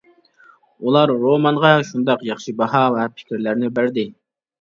ئۇلار رومانغا شۇنداق ياخشى باھا ۋە پىكىرلەرنى بەردى.